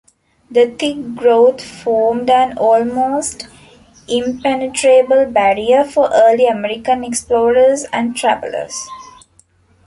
The thick growth formed an almost impenetrable barrier for early American explorers and travelers.